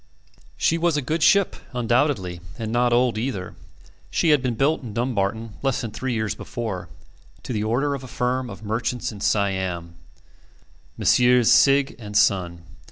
She was a good ship, undoubtedly, and not old either. She had been built in Dumbarton less than three years before, to the order of a firm of merchants in Siam Messrs. Sigg and Son.